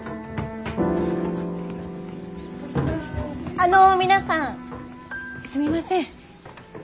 あの皆さんすみません。